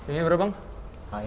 ini berapa bang